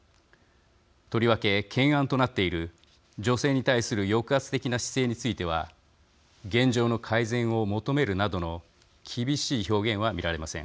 とりわけ懸案となっている女性に対する抑圧的な姿勢については現状の改善を求めるなどの厳しい表現は見られません。